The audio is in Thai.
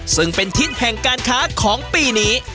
ซึ่งเป็นทิศแห่งการค้าของปีนี้